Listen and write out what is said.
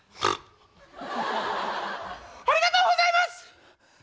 ガッ！ありがとうございます！